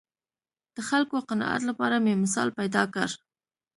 د خلکو قناعت لپاره مې مثال پیدا کړ